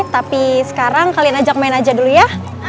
tapi sekarang kalian ajak main aja dulu ya